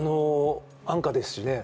安価ですしね。